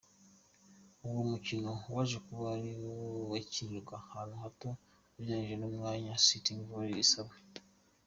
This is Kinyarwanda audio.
Uwo mukino waje kuba ariko ukinirwa ahantu hato ugereranyije n’umwanya Sitting Volley isaba.